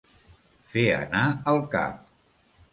Fer anar el cap.